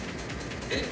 えっ？